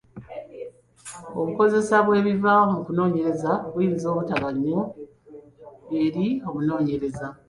Obukozesa bw’ebiva mu kunooneyereza buyinza obutaba nnyo eri omunoonyereza.